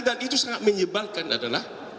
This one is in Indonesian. dan itu sangat menyebalkan adalah